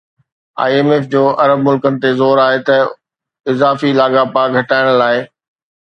I M F جو عرب ملڪن تي زور آهي ته اضافي لاڳاپا گهٽائڻ لاءِ